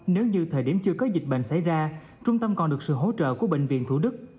nếu như thời điểm chưa có dịch bệnh xảy ra trung tâm còn được sự hỗ trợ của bệnh viện thủ đức